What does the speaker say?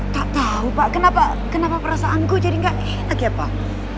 tak tau pak kenapa perasaanku jadi gak enak ya pak